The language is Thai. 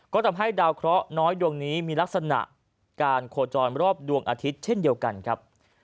ก็ทำให้ดาวเคราะห์น้อยดวงนี้มีลักษณะการโคจรรอบดวงอาทิตย์เช่นเดียวกันครับ